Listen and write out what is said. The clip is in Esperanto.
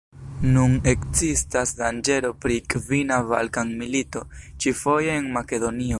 Nun ekzistas danĝero pri kvina Balkan-milito, ĉi-foje en Makedonio.